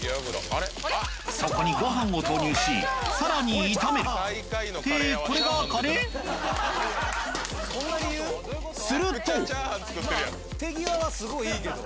そこにご飯を投入しさらに炒める！ってすると手際は凄いいいけど。